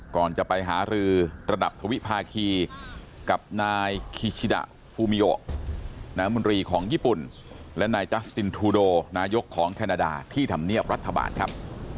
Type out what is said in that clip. ก่อนจะไปหารือระดับทวิภาคีกับนายคิชิดะฟูมิโยนามนตรีของญี่ปุ่นและนายจัสตินทูโดนายกของแคนาดาที่ธรรมเนียบรัฐบาลครับ